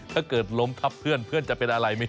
ถ้าเกิดล้มทับเพื่อนเพื่อนจะเป็นอะไร